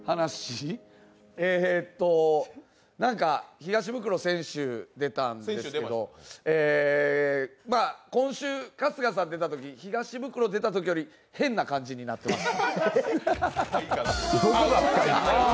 えーと、東ブクロが先週出たんですけど、今週、春日さん出たとき東ブクロ出たときより変な感じになってます。